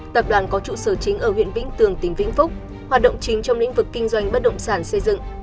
tập đoàn có trụ sở chính ở huyện vĩnh tường tỉnh vĩnh phúc hoạt động chính trong lĩnh vực kinh doanh bất động sản xây dựng